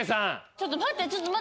ちょっと待って。